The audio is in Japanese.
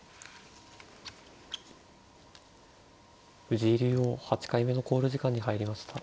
藤井竜王８回目の考慮時間に入りました。